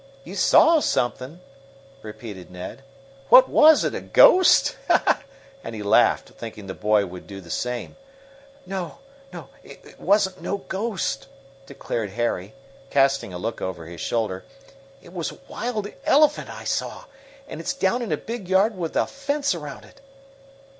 "You saw something?" repeated Ned. "What was it a ghost?" and he laughed, thinking the boy would do the same. "No, it wasn't no ghost!" declared Harry, casting a look over his shoulder. "It was a wild elephant that I saw, and it's down in a big yard with a fence around it."